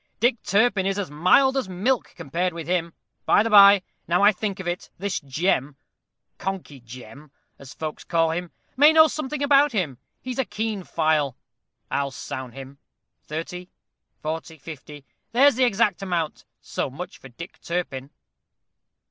Dick Turpin is as mild as milk compared with him. By the by, now I think of it, this Jem, Conkey Jem, as folks call him, may know something about him; he's a keen file; I'll sound him. Thirty, forty, fifty there's the exact amount. So much for Dick Turpin."